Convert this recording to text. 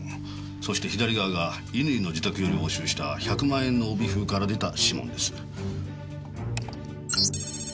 そして左側が乾の自宅より押収した１００万円の帯封から出た指紋です。